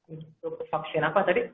untuk vaksin apa tadi